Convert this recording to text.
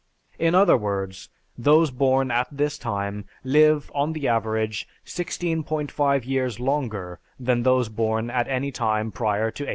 In other words, those born at this time live on the average 16.5 years longer than those born at any time prior to 1880.